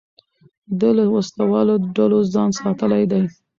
ده له وسلهوالو ډلو ځان ساتلی دی.